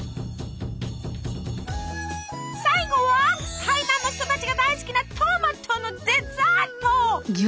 最後は台南の人たちが大好きなトマトのデザート。